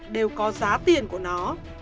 đều có giá tiền của nó